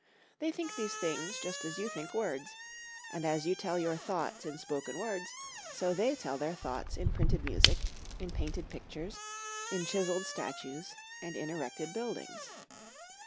They think these things just as you think words; and as you tell your thoughts in spoken words, so they tell their thoughts in printed music, in painted pictures, in chiseled statues, and in erected buildings.